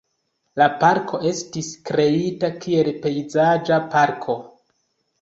La parko estis kreita kiel pejzaĝa parko.